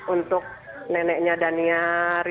untuk neneknya daniar